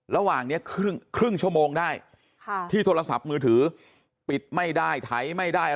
ระหว่างนี้ครึ่งชั่วโมงได้ที่โทรศัพท์มือถือปิดไม่ได้ไถไม่ได้